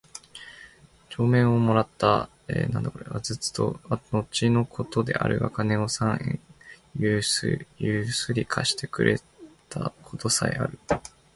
帳面も貰つた。是はずつと後の事であるが金を三円許り借してくれた事さへある。